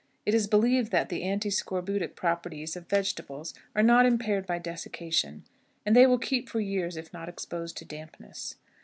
It is believed that the antiscorbutic properties of vegetables are not impaired by desiccation, and they will keep for years if not exposed to dampness.